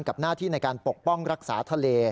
หน้าที่ในการปกป้องรักษาทะเล